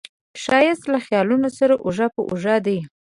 ښایست له خیالونو سره اوږه په اوږه دی